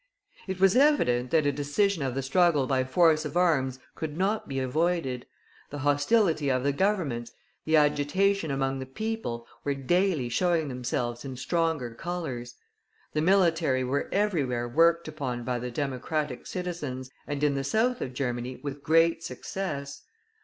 It was evident that a decision of the struggle by force of arms could not be avoided. The hostility of the Governments, the agitation among the people, were daily showing themselves in stronger colors. The military were everywhere worked upon by the Democratic citizens, and in the south of Germany with great success.